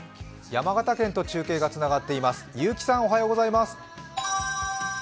山形県と中継がつながっています。